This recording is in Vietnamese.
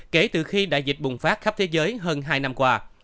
kể từ khi đại dịch bùng phát khắp thế giới hơn hai năm qua